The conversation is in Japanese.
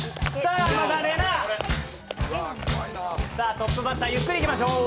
トップバッターゆっくりいきましょう